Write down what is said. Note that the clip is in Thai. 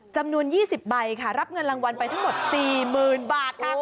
จำนวน๒๐ใบค่ะรับเงินรางวัลไปทั้งหมด๔๐๐๐บาทค่ะ